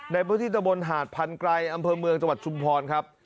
ในพื้นที่ตะบนหาดพันไกรอำเภอเมืองจังหวัดชุมพรครับ